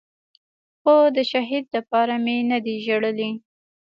خو د شهيد دپاره مې نه دي جړلي.